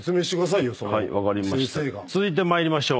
続いて参りましょう。